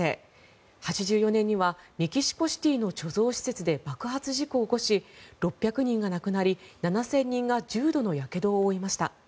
１９８４年にはメキシコシティの貯蔵施設で爆発事故を起こし６００人が亡くなり７０００人が重度のやけどを負いました。